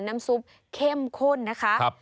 น้ำซุปเข้มข้นนะคะ